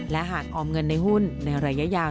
และหากออมเงินในหุ้นในระยะยาว